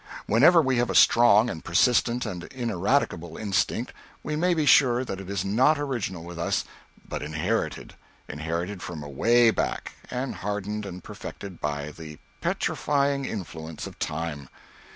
Whenever we have a strong and persistent and ineradicable instinct, we may be sure that it is not original with us, but inherited inherited from away back, and hardened and perfected by the petrifying influence of time.